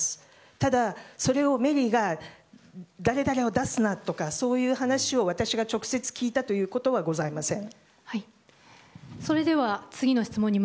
ただ、それをメリーが誰々を出すなとかそういう話を私が直接聞いたということはありません。